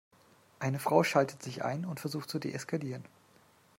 Eine Frau schaltet sich ein und versucht zu deeskalieren.